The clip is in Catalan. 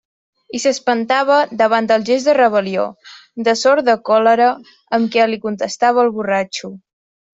I s'espantava davant del gest de rebel·lió, de sorda còlera amb què li contestava el borratxo.